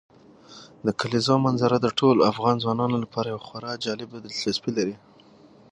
د کلیزو منظره د ټولو افغان ځوانانو لپاره یوه خورا جالب دلچسپي لري.